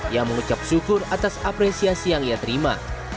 ia mengucap syukur atas apresiasi yang ia terima